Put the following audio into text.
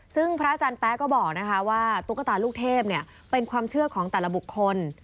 ซึ่งพระอาจารย์แป๊ะก็บอกว่าตุ๊กตาลูกเทพเป็นความเชื่อของแต่ละบุคคล